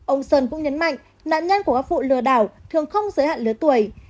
ông sơn cũng nhấn mạnh nạn nhân của các vụ lừa đảo thường không giới hạn lứa tuổi